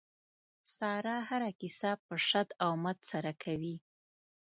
ساره هره کیسه په شد او مد سره کوي.